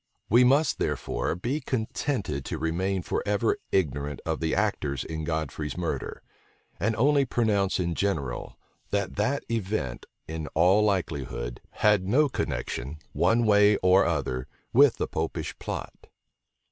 We must, therefore, be contented to remain forever ignorant of the actors in Godfrey's murder; and only pronounce in general, that that event in all likelihood, had no connection, one way or other, with the Popish plot.